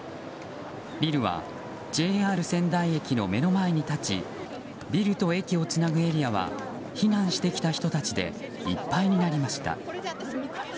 ビルはＪＲ仙台駅の目の前に立ちビルと駅をつなぐエリアは避難してきた人たちでいっぱいになりました。